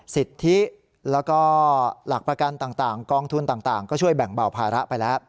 สิทธิแล้วก็หลักประกันต่างกองทุนต่างก็ช่วยแบ่งเบาภาระไปแล้ว